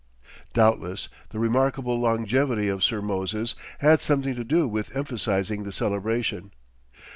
Doubtless, the remarkable longevity of Sir Moses had something to do with emphasizing the celebration.